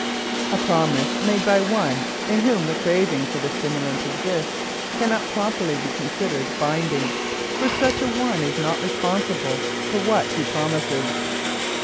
A promise made by one in whom the craving for the stimulant exists cannot properly be considered binding, for such a one is not responsible for what he promises.